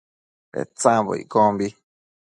Petsambo iccombi